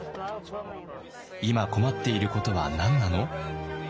「今困っていることは何なの？」。